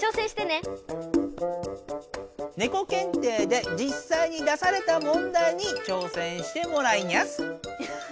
ねこ検定でじっさいに出された問題に挑戦してもらいにゃす。